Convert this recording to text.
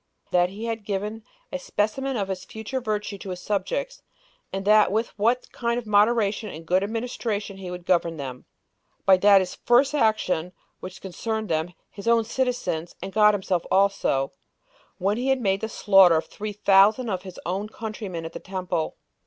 That he had given a specimen of his future virtue to his subjects, and with what kind of moderation and good administration he would govern them, by that his first action, which concerned them, his own citizens, and God himself also, when he made the slaughter of three thousand of his own countrymen at the temple.